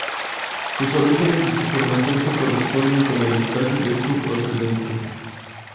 Sus orígenes y su formación se corresponden con el espacio de su procedencia.